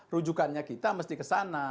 rujukannya kita mesti kesana